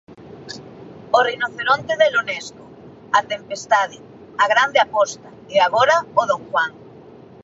O Rinoceronte de Ionesco, A Tempestade, a grande aposta, e agora o Don Juan.